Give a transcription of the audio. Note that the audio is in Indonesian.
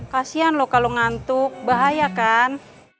kasian loh kalau ngantuk bahaya kan